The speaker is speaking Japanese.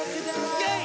イェイ！